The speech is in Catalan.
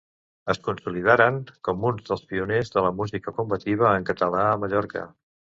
Es consolidaren com un dels pioners de la música combativa en català a Mallorca.